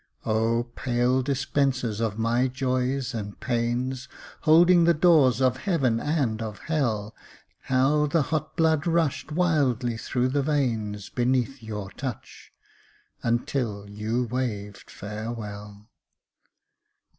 Oh, pale dispensers of my Joys and Pains, Holding the doors of Heaven and of Hell, How the hot blood rushed wildly through the veins Beneath your touch, until you waved farewell.